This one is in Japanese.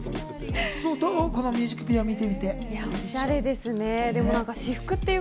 このミュージックビデオを見てみてどう？